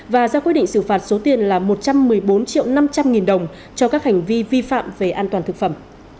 và ra quyết định xử phạt số tiền là một trăm một mươi bốn triệu năm trăm linh nghìn đồng cho các hành vi vi phạm về an toàn thực phẩm